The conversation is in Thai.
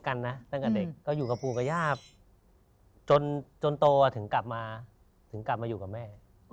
กันนะตั้งแต่เด็กก็อยู่กับปู่กับย่าจนโตถึงกลับมาถึงกลับมาอยู่กับแม่